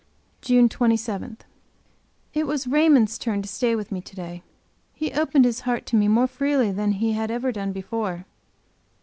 JUNE 27. It was Raymond's turn to stay with me to day. He opened his heart to me more freely than he had ever done before.